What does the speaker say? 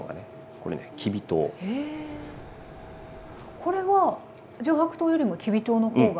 これは上白糖よりもきび糖の方が。